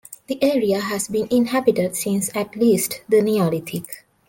The area has been inhabited since at least the Neolithic.